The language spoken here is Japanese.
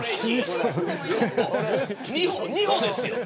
二歩ですよ。